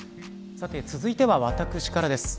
さて、続いては私からです。